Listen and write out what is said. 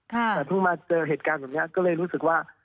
แต่เพิ่งมาเจอเหตุการณ์แบบนี้ก็เลยรู้สึกว่า